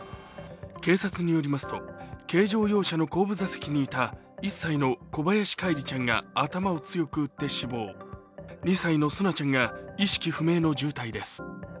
警察に寄りますと軽乗用車の後部座席にいた１歳の小林叶一里ちゃんが頭を強く打って死亡２歳の蒼菜ちゃんが意識不明の重体です。